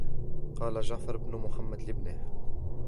وَقَالَ جَعْفَرُ بْنُ مُحَمَّدٍ لِابْنِهِ